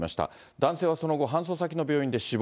男性はその後、搬送先の病院で死亡。